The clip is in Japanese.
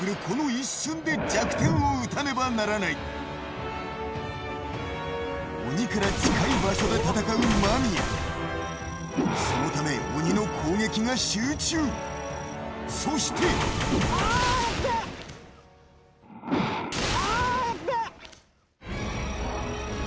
この一瞬で弱点を撃たねばならない鬼から近い場所で戦う間宮そのため鬼の攻撃が集中そしてあすげえ！